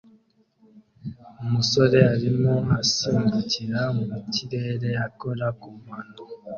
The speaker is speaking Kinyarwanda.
Umusore arimo asimbukira mu kirere akora ku mano